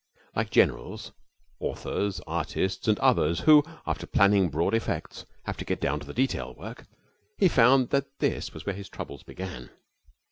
Like generals, authors, artists, and others who, after planning broad effects, have to get down to the detail work, he found that this was where his troubles began.